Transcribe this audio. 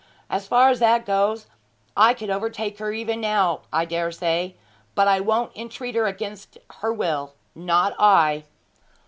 As far as that goes, I could overtake her even now, I dare say; but I won't entreat her against her will not I.'